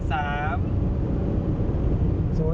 เจอพ่อใหม่แล้ว